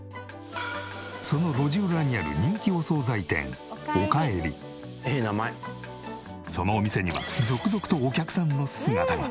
その路地裏にある人気お惣菜店そのお店には続々とお客さんの姿が。